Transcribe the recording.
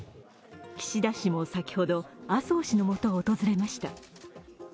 岸田氏も先ほど、麻生氏のもとを訪れました。